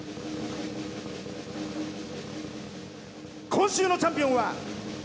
今週のチャンピオンは。